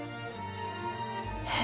えっ？